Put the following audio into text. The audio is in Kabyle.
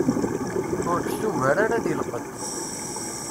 Ur t-tugar ara di lqedd.